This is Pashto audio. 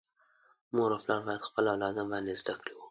مور او پلار باید خپل اولادونه باندي زده کړي وکړي.